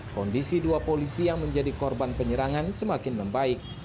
kondisi dua polisi yang menjadi korban penyerangan semakin membaik